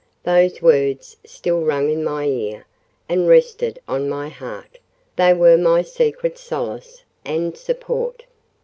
—Those words still rang in my ear and rested on my heart: they were my secret solace and support.